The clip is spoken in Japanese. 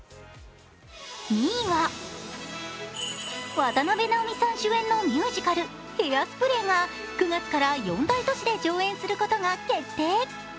２位は渡辺直美さん主演のミュージカル「ヘアスプレー」が９月から４大都市で上演することが決定。